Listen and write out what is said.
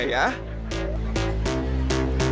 ya saya lihat lihat aja